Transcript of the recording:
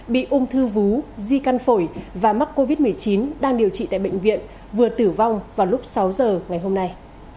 bị ung thư vú di căn phổi và mắc covid một mươi chín đang điều trị tại bệnh viện vừa tử vong vào lúc sáu giờ ngày hôm nay